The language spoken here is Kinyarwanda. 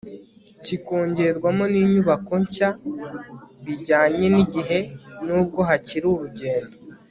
kikongerwamo n'inyubako nshya bijyanye n'igihe n'ubwo hakiri urugendo